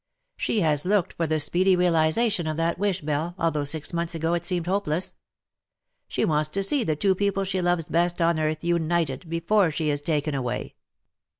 She has looked for the speedy realization of that wish, Belle, although six months ^go it seemed hopeless. She wants to see the two people she loves best on earth united, before she is taken away.